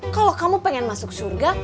kalau kamu pengen masuk surga